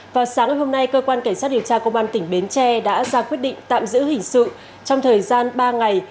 vào sáng hôm nay cơ quan cảnh sát điều tra công an tỉnh bến tre đã ra quyết định tạm giữ hình sự trong thời gian ba ngày